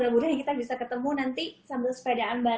mudah mudahan kita bisa ketemu nanti sampai sepedaan bareng ya